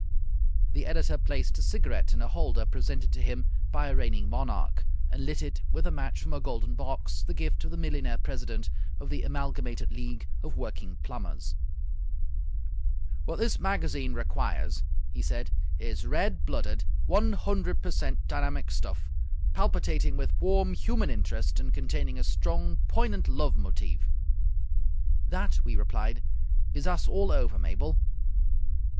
The editor placed a cigarette in a holder presented to him by a reigning monarch, and lit it with a match from a golden box, the gift of the millionaire president of the Amalgamated League of Working Plumbers. "What this magazine requires," he said, "is red blooded, one hundred per cent dynamic stuff, palpitating with warm human interest and containing a strong, poignant love motive." "That," we replied, "is us all over, Mabel."